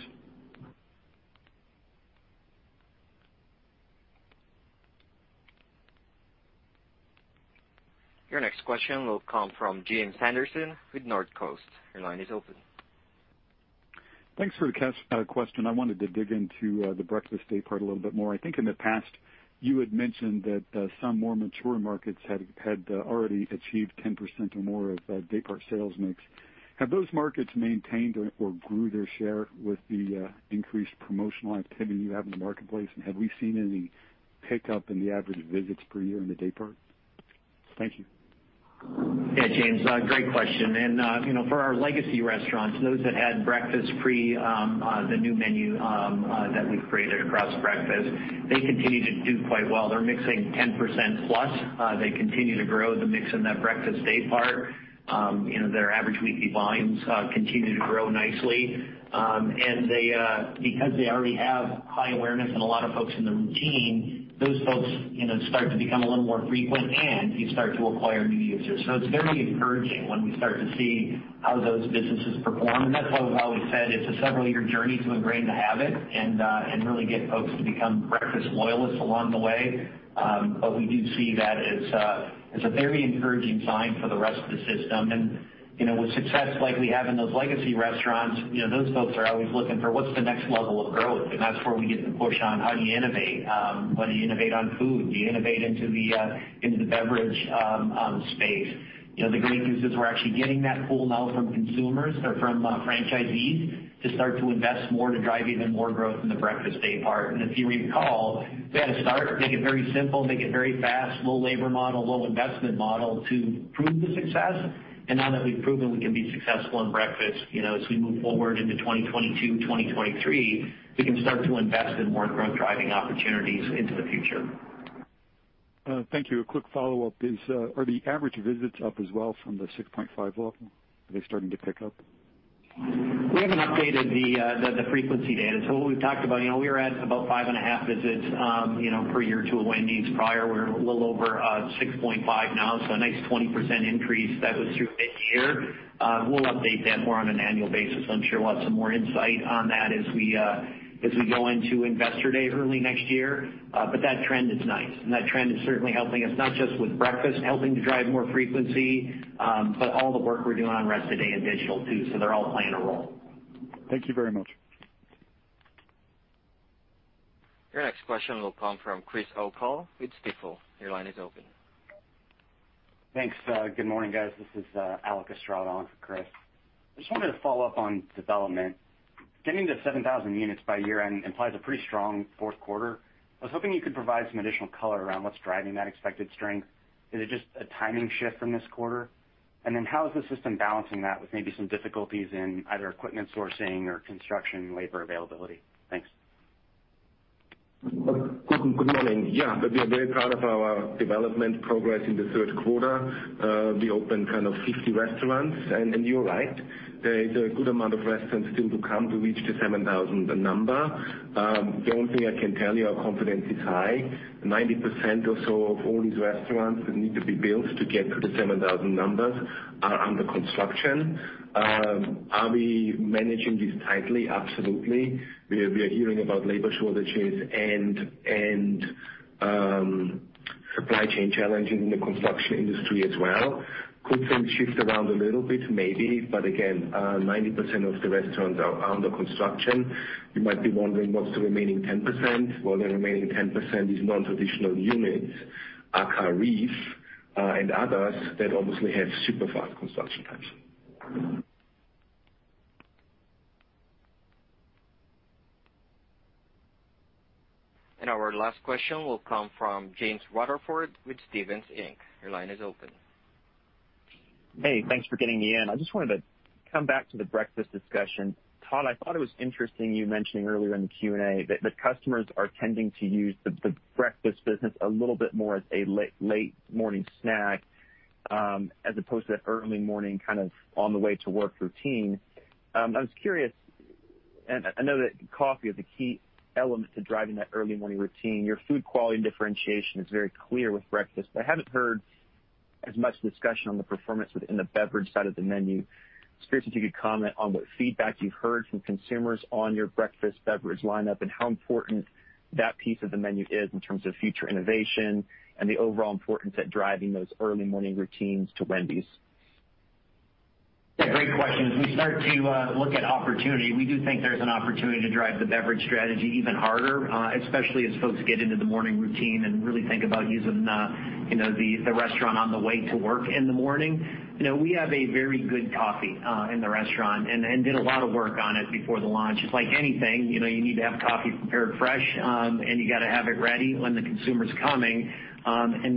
Your next question will come from James Salera with Northcoast. Your line is open. Thanks for the question. I wanted to dig into the breakfast daypart a little bit more. I think in the past you had mentioned that some more mature markets had already achieved 10% or more of daypart sales mix. Have those markets maintained or grew their share with the increased promotional activity you have in the marketplace? And have we seen any pickup in the average visits per year in the daypart? Thank you. Yeah, James, great question. You know, for our legacy restaurants, those that had breakfast before the new menu that we've created across breakfast, they continue to do quite well. They're mixing 10%+. They continue to grow the mix in that breakfast day part. You know, their average weekly volumes continue to grow nicely. Because they already have high awareness and a lot of folks in the routine, those folks, you know, start to become a little more frequent, and you start to acquire new users. It's very encouraging when we start to see how those businesses perform, and that's why we've always said it's a several-year journey to ingrain the habit and really get folks to become breakfast loyalists along the way. We do see that as a very encouraging sign for the rest of the system. You know, with success like we have in those legacy restaurants, you know, those folks are always looking for what's the next level of growth, and that's where we get the push on how do you innovate. Whether you innovate on food, do you innovate into the beverage space. You know, the great news is we're actually getting that pull now from consumers or from franchisees to start to invest more to drive even more growth in the breakfast day part. If you recall, we had to start, make it very simple, make it very fast, low labor model, low investment model to prove the success. Now that we've proven we can be successful in breakfast, you know, as we move forward into 2022, 2023, we can start to invest in more growth-driving opportunities into the future. Thank you. A quick follow-up is, are the average visits up as well from the 6.5 level? Are they starting to pick up? We haven't updated the frequency data. What we've talked about, you know, we were at about 5.5 visits, you know, per year to a Wendy's prior. We're a little over 6.5 now, so a nice 20% increase that was through mid-year. We'll update that more on an annual basis. I'm sure we'll have some more insight on that as we go into Investor Day early next year. That trend is nice. That trend is certainly helping us, not just with breakfast, helping to drive more frequency, but all the work we're doing on rest of day and digital too, so they're all playing a role. Thank you very much. Your next question will come from Chris O'Cull with Stifel. Your line is open. Thanks. Good morning, guys. This is Alec Estrada on for Chris. I just wanted to follow up on development. Getting to 7,000 units by year-end implies a pretty strong Q4. I was hoping you could provide some additional color around what's driving that expected strength. Is it just a timing shift from this quarter? How is the system balancing that with maybe some difficulties in either equipment sourcing or construction labor availability? Thanks. Well, good morning. Yeah. We are very proud of our development progress in the Q3. We opened kind of 50 restaurants. You're right, there is a good amount of restaurants still to come to reach the 7,000 number. The only thing I can tell you, our confidence is high. 90% or so of all these restaurants that need to be built to get to the 7,000 numbers are under construction. Are we managing this tightly? Absolutely. We are hearing about labor shortages and supply chain challenges in the construction industry as well. Could things shift around a little bit? Maybe. Again, 90% of the restaurants are under construction. You might be wondering, what's the remaining 10%? Well, the remaining 10% is non-traditional units, aka REEF, and others that obviously have super fast construction times. Our last question will come from James Rutherford with Stephens Inc. Your line is open. Hey, thanks for getting me in. I just wanted to come back to the breakfast discussion. Todd, I thought it was interesting you mentioning earlier in the Q&A that customers are tending to use the breakfast business a little bit more as a late morning snack, as opposed to early morning, kind of on the way to work routine. I was curious, and I know that coffee is a key element to driving that early morning routine. Your food quality and differentiation is very clear with breakfast, but I haven't heard as much discussion on the performance within the beverage side of the menu. Just curious if you could comment on what feedback you've heard from consumers on your breakfast beverage lineup and how important that piece of the menu is in terms of future innovation and the overall importance at driving those early morning routines to Wendy's? Yeah, great question. As we start to look at opportunity, we do think there's an opportunity to drive the beverage strategy even harder, especially as folks get into the morning routine and really think about using, you know, the restaurant on the way to work in the morning. You know, we have a very good coffee in the restaurant and did a lot of work on it before the launch. It's like anything, you know, you need to have coffee prepared fresh, and you gotta have it ready when the consumer's coming.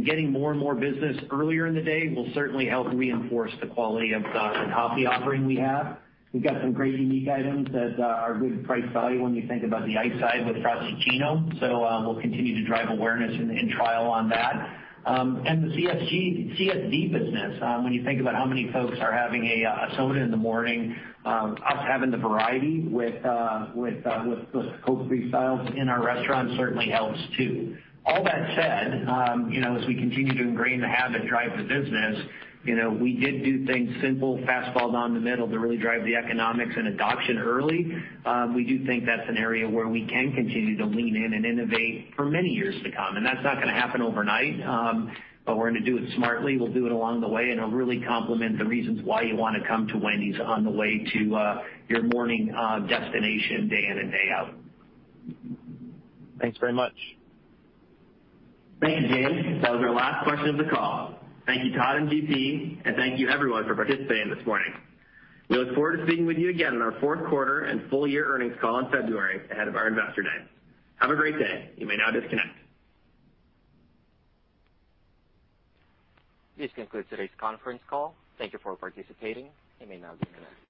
Getting more and more business earlier in the day will certainly help reinforce the quality of the coffee offering we have. We've got some great unique items that are good price value when you think about the iced side with Frosty-ccino. We'll continue to drive awareness and trial on that. The CSD business, when you think about how many folks are having a soda in the morning, us having the variety with those Coke Freestyles in our restaurant certainly helps too. All that said, you know, as we continue to ingrain the habit, drive the business, you know, we did do things simple, fast, bold, on the menu to really drive the economics and adoption early. We do think that's an area where we can continue to lean in and innovate for many years to come. That's not gonna happen overnight, but we're gonna do it smartly. We'll do it along the way, and it'll really complement the reasons why you wanna come to Wendy's on the way to your morning destination day in and day out. Thanks very much. Thank you, James. That was our last question of the call. Thank you, Todd and GP, and thank you everyone for participating this morning. We look forward to speaking with you again on our Q4 and full year earnings call in February ahead of our Investor Day. Have a great day. You may now disconnect. This concludes today's conference call. Thank you for participating. You may now disconnect.